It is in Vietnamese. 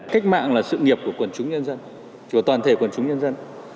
cách mạng là sự nghiệp của toàn thể quần chúng nhân dân